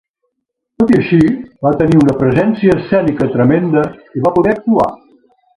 Tot i així, va tenir una presència escènica tremenda i va poder actuar.